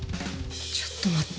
ちょっと待って。